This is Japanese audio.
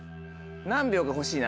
何秒か欲しいな。